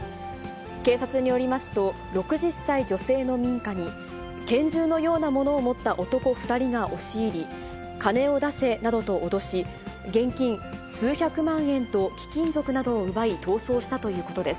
警察によりますと、６０歳女性の民家に、拳銃のようなものを持った男２人が押し入り、金を出せなどと脅し、現金数百万円と貴金属などを奪い、逃走したということです。